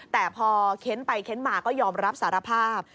แต่พอเค้นไปเค้นมาก็ยอมรับสารภาพ